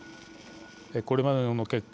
これまでの結果